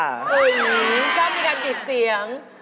เฮ้ยเจ้ามีการบีบเสียง